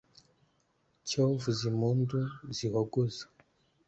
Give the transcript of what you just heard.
cyo vuza impundu z'ihogoza